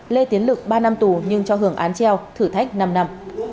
lê tiến lực ba năm tù nhưng cho hưởng án treo thử thách năm năm